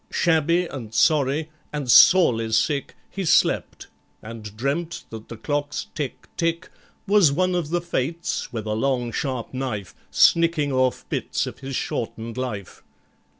Shabby and sorry and sorely sick, He slept, and dreamt that the clock's "tick, tick," Was one of the Fates, with a long sharp knife, Snicking off bits of his shortened life.